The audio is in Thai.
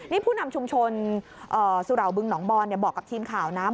นี่ผู้นำชุมชนสุเหล่าบึงหนองบอนบอกกับทีมข่าวนะ